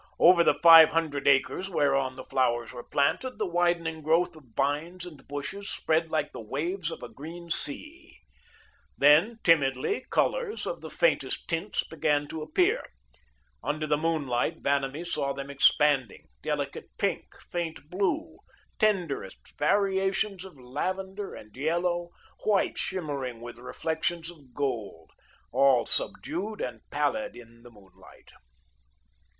Over the five hundred acres whereon the flowers were planted, the widening growth of vines and bushes spread like the waves of a green sea. Then, timidly, colours of the faintest tints began to appear. Under the moonlight, Vanamee saw them expanding, delicate pink, faint blue, tenderest variations of lavender and yellow, white shimmering with reflections of gold, all subdued and pallid in the moonlight.